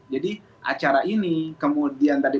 jadi acara ini kemudian tadi